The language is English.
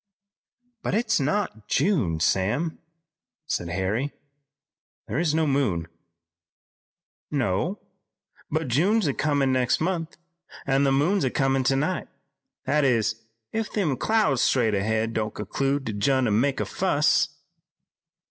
"But it's not June, Sam," said Harry, "and there is no moon." "No, but June's comin' next month, an' the moon's comin' tonight; that is, if them clouds straight ahead don't conclude to j'in an' make a fuss."